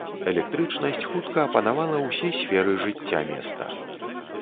Электрычнасць хутка апанавала ўсе сферы жыцця места.